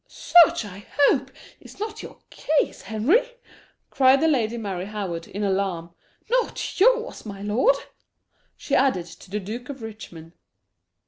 "Such, I hope, is not your case, Henry?" cried the Lady Mary Howard, in alarm; "nor yours, my lord?" she added to the Duke of Richmond.